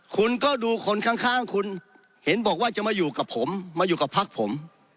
คุณก็ดูคนข้างคุณเห็นบอกว่าจะมาอยู่กับผมมาอยู่กับพักผม